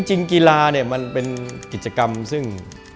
จริงกีฬาเนี่ยมันเป็นกิจกรรมซึ่ง